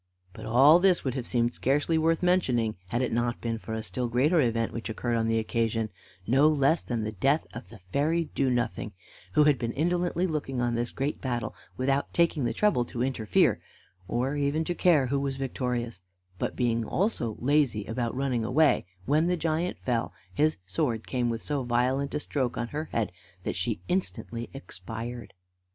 But all this would have seemed scarcely worth mentioning had it not been for a still greater event which occurred on the occasion, no less than the death of the fairy Do nothing, who had been indolently looking on at this great battle without taking the trouble to interfere, or even to care who was victorious; but being also lazy about running away, when the giant fell, his sword came with so violent a stroke on her head that she instantly expired.